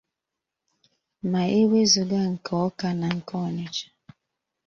ma e wezùga nke Awka na nke Ọnịtsha